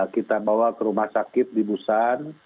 kita bawa ke rumah sakit di busan